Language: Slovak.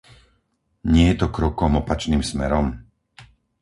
Nie je to krokom opačným smerom?